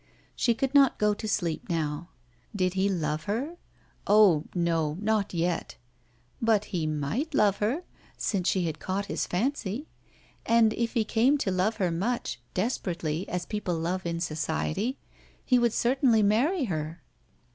She could not go to sleep now. Did he love her? Oh! no; not yet. But he might love her, since she had caught his fancy. And if he came to love her much, desperately, as people love in society, he would certainly marry her.